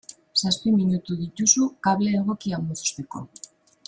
Zazpi minutu dituzu kable egokia mozteko.